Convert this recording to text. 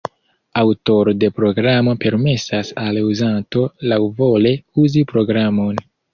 Aŭtoro de programo permesas al uzanto laŭvole uzi programon.